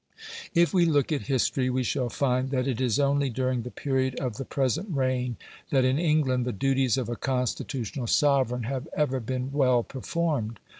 If we look at history, we shall find that it is only during the period of the present reign that in England the duties of a constitutional sovereign have ever been well performed.